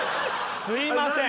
すいません